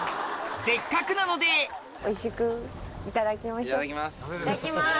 せっかくなのでいただきます。